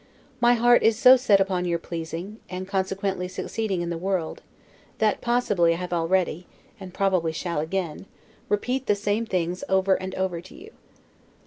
My heart is so set upon your pleasing, and consequently succeeding in the world, that possibly I have already (and probably shall again) repeat the same things over and over to you.